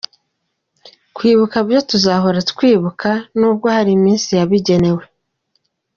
Kwibuka byo tuzahora twibuka nubwo hari iminsi yabigenewe.